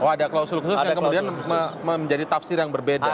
oh ada klausul khusus yang kemudian menjadi tafsir yang berbeda